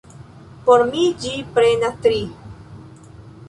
Por mi ĝi prenas tri.